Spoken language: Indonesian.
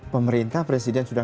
pemerintah presiden sudah